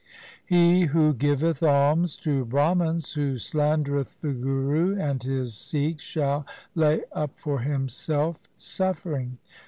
He who giveth alms to Brahmans, who slandereth the Guru and his Sikhs, shall lay up for himself suffering.